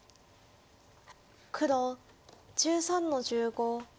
黒１３の十五。